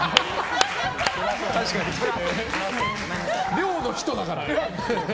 量の人だからね。